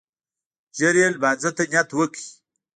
ژر يې لمانځه ته نيت وکړ.